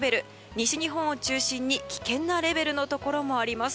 西日本を中心に危険なレベルのところもあります。